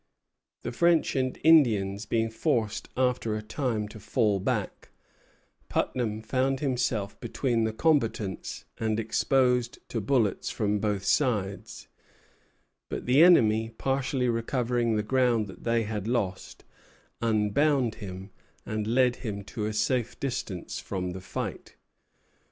The French and Indians being forced after a time to fall back, Putnam found himself between the combatants and exposed to bullets from both sides; but the enemy, partially recovering the ground they had lost, unbound him, and led him to a safe distance from the fight.